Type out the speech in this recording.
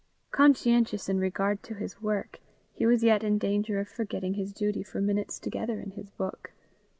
Conscientious in regard to his work, he was yet in danger of forgetting his duty for minutes together in his book.